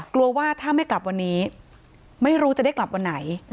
กลัวว่าถ้าไม่กลับวันนี้ไม่รู้จะได้กลับวันไหน